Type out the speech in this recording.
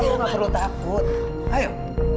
kamu tidak perlu takut ayo